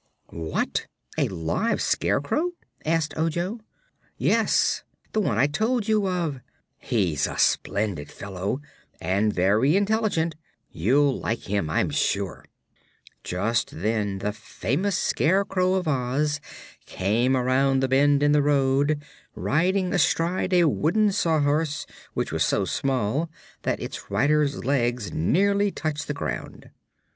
"What, a live Scarecrow?" asked Ojo. "Yes; the one I told you of. He's a splendid fellow, and very intelligent. You'll like him, I'm sure." Just then the famous Scarecrow of Oz came around the bend in the road, riding astride a wooden Sawhorse which was so small that its rider's legs nearly touched the ground.